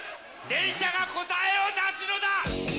電車が答えを出すのだ。